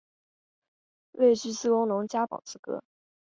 未具自耕农加保资格